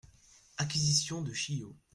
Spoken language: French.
- Acquisition de Chio.